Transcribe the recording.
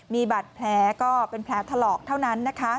มีบาดแผลก็เป็นแผลถลอกเท่านั้นนะคะ